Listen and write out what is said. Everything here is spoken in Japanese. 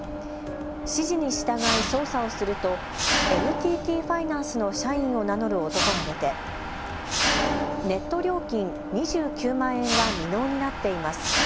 指示に従い操作をするとＮＴＴファイナンスの社員を名乗る男が出てネット料金２９万円が未納になっています。